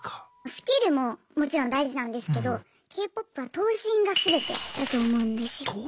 スキルももちろん大事なんですけどＫ−ＰＯＰは頭身がすべてだと思うんですよ。